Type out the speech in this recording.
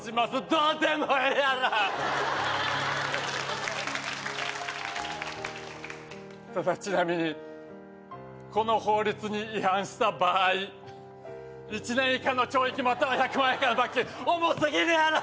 どうでもええやろただちなみにこの法律に違反した場合１年以下の懲役または１００万円以下の罰金重すぎるやろ！